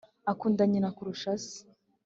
• akunda nyina kurusha se.